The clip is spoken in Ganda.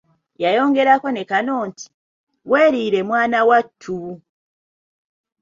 Yayongerako ne kano nti, weeriire mwana wattu!